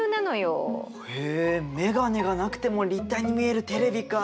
へえ眼鏡がなくても立体に見えるテレビか。